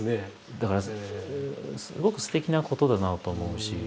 だからすごくすてきなことだなと思うし。